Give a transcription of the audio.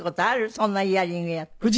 そんなイヤリングやっててあなた。